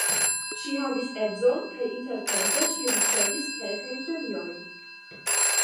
Ŝi havis edzon kaj intertempe ŝi ricevis kelkajn premiojn.